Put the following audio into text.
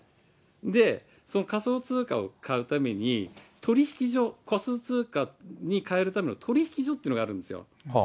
で、その仮想通貨を買うために、取引所、仮想通貨にかえるための取引所っていうのがあるんですよ。